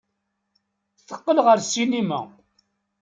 Teqqel ɣer ssinima.